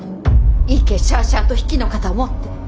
いけしゃあしゃあと比企の肩を持って。